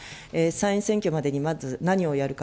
参院選挙までにまず何をやるか。